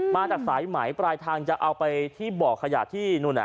มาจากสายไหมปลายทางจะเอาไปที่บ่อขยะที่นู่น